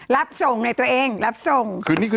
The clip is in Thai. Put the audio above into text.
รับส่งในตัวเองรับส่ง